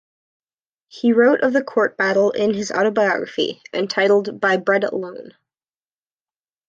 He wrote of the court battle in his autobiography, entitled "By Bread Alone".